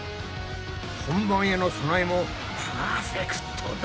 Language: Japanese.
本番への備えもパーフェクトだ！